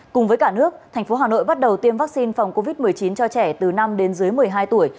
cùng với cả nước thành phố hà nội bắt đầu tiêm vaccine phòng covid một mươi chín cho trẻ từ năm đến dưới một mươi hai tuổi